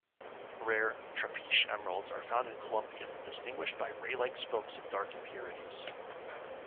Rare "trapiche" emeralds are found in Colombia, distinguished by ray-like spokes of dark impurities.